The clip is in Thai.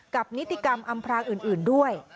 นิติกรรมอำพรางอื่นด้วย